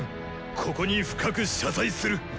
ここに深く謝罪する。